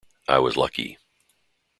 I was lucky.